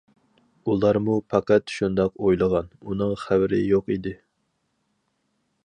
ئۇلارمۇ پەقەت شۇنداق ئويلىغان، ئۇنىڭ خەۋىرى يوق ئىدى.